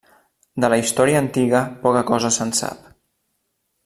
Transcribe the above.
De la història antiga poca cosa se'n sap.